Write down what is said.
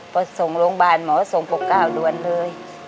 พอส่งโรงพยาบาลหมอส่งปก๙เดือนเลย